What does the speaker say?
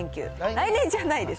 来年じゃないです。